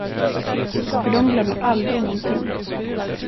För de glömmer aldrig nånting.